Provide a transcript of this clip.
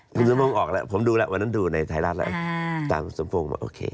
คุณสมพงศ์ออกแล้วผมดูแล้ววันนั้นดูในไทยรัฐแล้วตามคุณสมพงศ์บอกโอเค